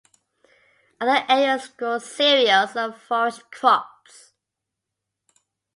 Other areas grow cereals and forage crops.